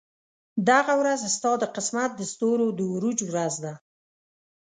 دغه ورځ ستا د قسمت د ستورو د عروج ورځ ده.